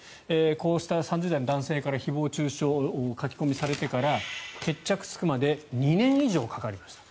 こうした３０代の男性から誹謗・中傷を書き込みされてから決着がつくまで２年以上かかりました。